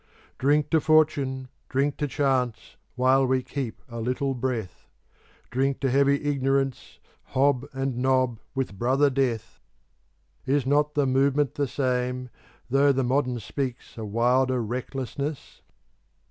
......... Drink to Fortune, drink to Chance, While we keep a little breath! Drink to heavy Ignorance Hob and nob with brother Death! Is not the movement the same, though the modern speaks a wilder recklessness?